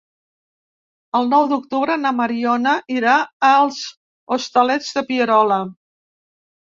El nou d'octubre na Mariona irà als Hostalets de Pierola.